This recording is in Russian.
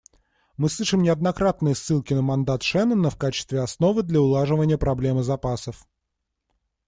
Мы слышим неоднократные ссылки на мандат Шеннона в качестве основы для улаживания проблемы запасов.